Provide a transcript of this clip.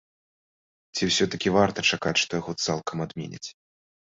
Ці ўсё-такі варта чакаць, што яго цалкам адменяць?